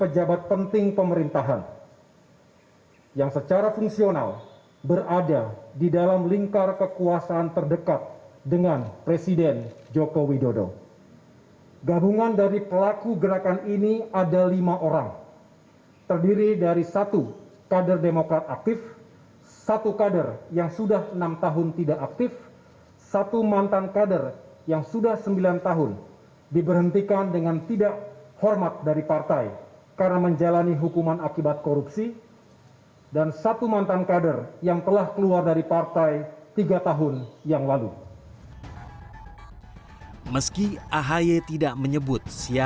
jalan proklamasi jatah pusat